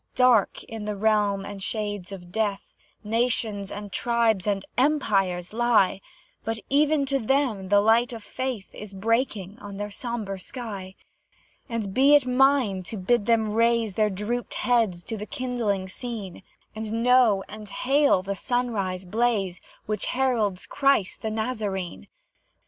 Dark, in the realm and shades of Death, Nations, and tribes, and empires lie, But even to them the light of Faith Is breaking on their sombre sky: And be it mine to bid them raise Their drooped heads to the kindling scene, And know and hail the sunrise blaze Which heralds Christ the Nazarene.